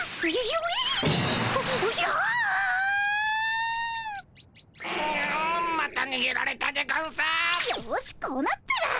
よしこうなったら。